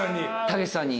武さんに。